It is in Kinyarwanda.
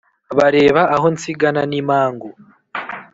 Bareba aho nsigana n’Imangu